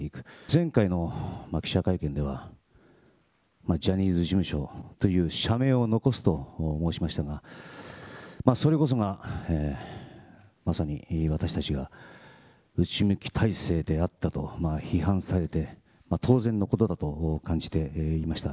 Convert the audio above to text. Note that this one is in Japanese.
前回の記者会見では、ジャニーズ事務所という社名を残すと申しましたが、それこそが、まさに私たちが内向き体制であったと批判されて当然のことだと感じていました。